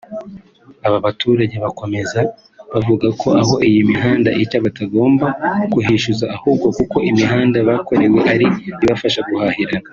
Aba baturage bakomeza bavuga ko aho iyi mihanda ica batogomba kuhishyuza ahubwo kuko imihanda bakorewe ari ibafasha guhahirana